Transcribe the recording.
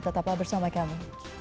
tetap bersama kami